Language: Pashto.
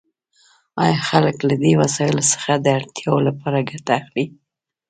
آیا خلک له دې وسایلو څخه د اړتیاوو لپاره ګټه اخلي؟